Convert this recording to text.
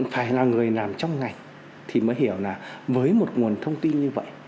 phải là người làm trong ngành thì mới hiểu là với một nguồn thông tin như vậy